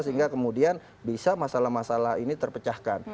sehingga kemudian bisa masalah masalah ini terpecahkan